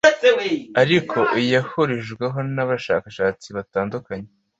ariko iyahurijweho n’abashakashatsi batandukanye